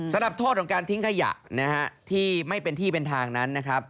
สำหรับโทษของการทิ้งขยะนะฮะที่ไม่เป็นที่เป็นทางนั้นนะครับ